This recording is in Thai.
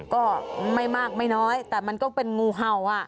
ก็ไม่มากไม่น้อยแต่มันก็เป็นงูเห่า